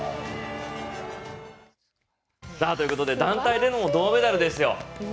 ということで団体でも銅メダルですよ。